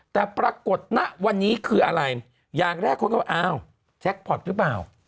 แต่ปรากฏณวันนี้คืออะไรอย่างแรกคนก็ว่าอ้าวแจ็คพอร์ตหรือเปล่า